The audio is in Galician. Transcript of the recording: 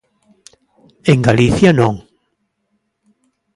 En Galicia, non.